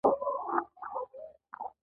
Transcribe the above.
او د نړۍ بریا ده.